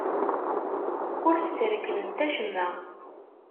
Ur tesrekmemt acemma.